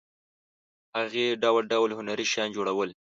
هغې ډول ډول هنري شیان جوړول.